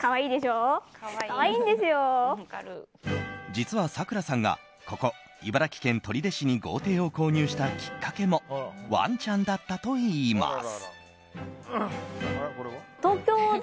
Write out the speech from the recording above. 実は、さくらさんがここ茨城県取手市に豪邸を購入したきっかけもワンちゃんだったといいます。